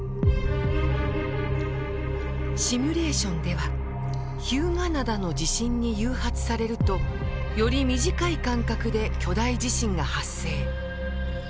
シミュレーションでは日向灘の地震に誘発されるとより短い間隔で巨大地震が発生。